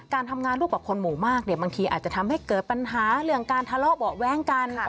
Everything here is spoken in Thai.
การทำงานร่วมกับคนหมู่มากเนี่ยบางทีอาจจะทำให้เกิดปัญหาเรื่องการทะเลาะเบาะแว้งกัน